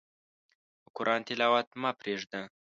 د قرآن تلاوت مه پرېږده.